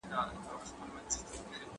اسلام د دنیا او اخیرت د سوکالۍ لار ده.